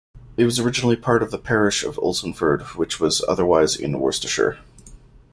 It was originally part of the parish of Oldswinford, which was otherwise in Worcestershire.